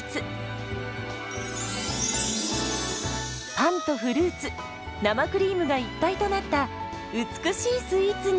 パンとフルーツ生クリームが一体となった美しいスイーツに。